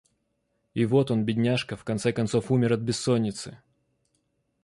И вот он, бедняжка, в конце концов умер от бессоницы.